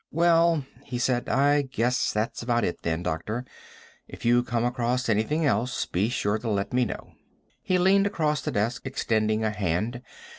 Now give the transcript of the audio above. "Well," he said, "I guess that's about it, then, doctor. If you come across anything else, be sure and let me know." He leaned across the desk, extending a hand.